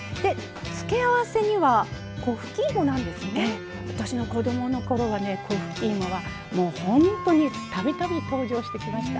付け合わせには私の子どものころは粉ふきいもは本当にたびたび登場してきました。